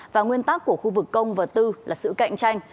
và nguyên tắc của khu vực công và tư là sự cạnh tranh